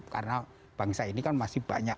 karena bangsa ini kan masih banyak